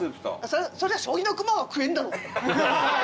そりゃ将棋の駒は食えんだろ！